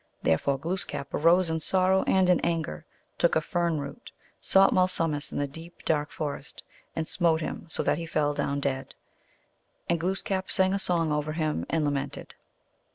Therefore Glooskap arose in sorrow and in anger, took a fern root, sought Malsumsis in the deep, dark forest, and smote him so that he fell down dead. And Glooskap sang a song over him and lamented.